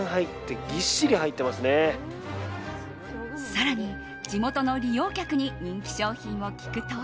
更に、地元の利用客に人気商品を聞くと。